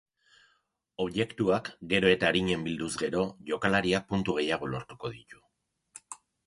Objektuak gero eta arinen bilduz gero, jokalariak puntu gehiago lortuko ditu.